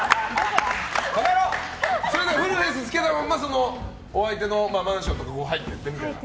フルフェース着けたままお相手のマンションとかに入ってってみたいな？